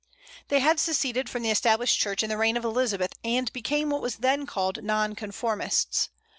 They had seceded from the Established Church in the reign of Elizabeth, and became what was then called Non conformists.